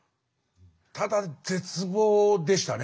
ただ絶望でしたね途中。